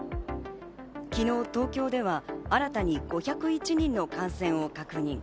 昨日、東京では新たに５０１人の感染を確認。